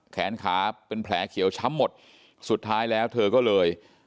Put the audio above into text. แขนขาเป็นแผลเขียวช้ำหมดสุดท้ายแล้วเธอก็เลย